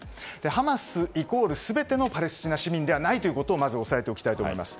ハマスイコール全てのパレスチナ市民ではないとまず押さえておきたいと思います。